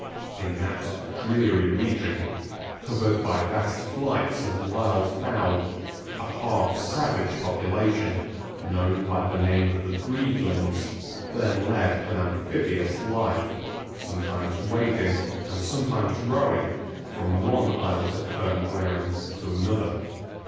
In that dreary region, covered by vast flights of wild fowl, a half savage population, known by the name of the Breedlings, then led an amphibious life, sometimes wading, and sometimes rowing, from one islet of firm ground to another.